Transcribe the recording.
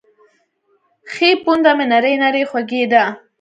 ښۍ پونده مې نرۍ نرۍ خوږېده.